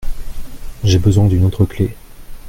J’ai besoin d’une autre clef.